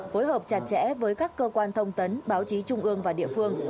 phối hợp chặt chẽ với các cơ quan thông tấn báo chí trung ương và địa phương